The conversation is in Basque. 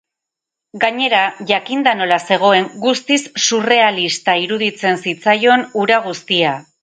Gainera, jakinda nola zegoen, guztiz surrealista iruditzen zitzaion hura guztia.